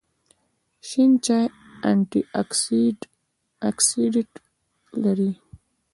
شین چای انټي اکسیډنټ لري